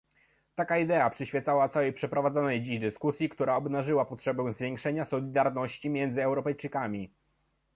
Taka idea przyświecała całej przeprowadzonej dziś dyskusji, która obnażyła potrzebę zwiększenia solidarności między europejczykami